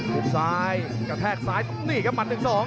หลบซ้ายกระแทกซ้ายตรงนี้ครับมันถึงสอง